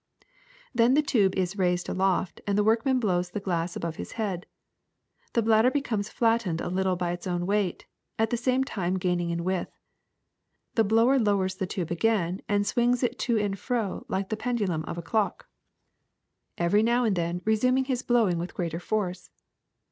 Then the tube is raised aloft and the workman blows the glass above his head. The bladder becomes flattened a little by its own weight, at the same time gaining in width. The blower lowers the tube again and swings it to and fro like the pendulum of a clock, GLASS 151 every now and then resuming his blowing with greater force.